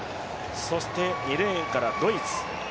そして２レーンからドイツ。